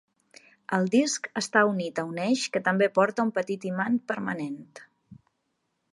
El disc està unit a un eix que també porta un petit imant permanent.